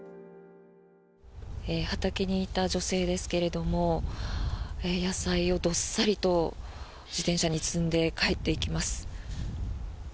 畑にいた女性ですけれども野菜をどっさりと自転車に積んで帰っていきます。